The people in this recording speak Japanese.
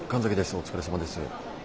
お疲れさまです。